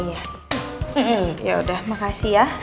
yaudah makasih ya